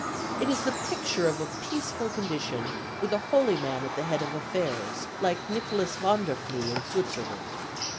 It is the picture of a peaceful condition with a holy man at the head of affairs, like Nicolas von der Flue in Switzerland.